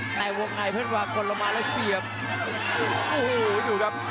ในวงในเพศบูรพาคนลงมาแล้วเสียบ